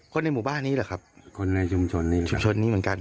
ในหมู่บ้านนี้แหละครับคนในชุมชนในชุมชนนี้เหมือนกัน